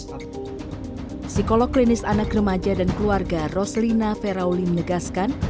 psikolog klinis anak remaja dan keluarga roslina ferauli menegaskan